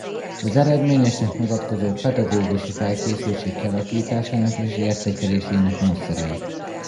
Az eredményesnek mutatkozó pedagógusi felkészültség kialakításának és értékelésének módszerei.